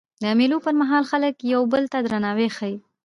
د مېلو پر مهال خلک یو بل ته درناوی ښيي.